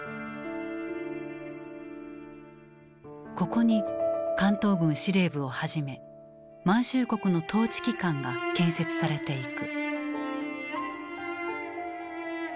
ここに関東軍司令部をはじめ満州国の統治機関が建設されていく。